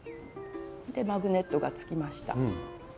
マグネットがつきました。